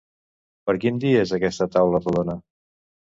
Per quin dia és aquesta taula rodona?